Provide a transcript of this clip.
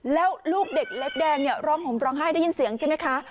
แล้วลูกเด็กเล็กแดงเนี่ยร้องห่มร้องไห้ได้ยินเสียงใช่ไหมคะ